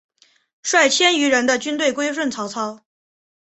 率千余人的军队归顺曹操。